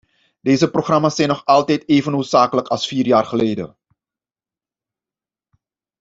Deze programma's zijn nog altijd even noodzakelijk als vier jaar geleden.